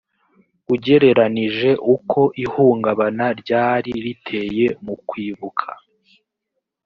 ugereranije uko ihungabana ryari riteye mu kwibuka